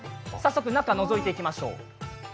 早速、中をのぞいていきましょう。